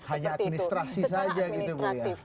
hanya administrasi saja gitu bu ya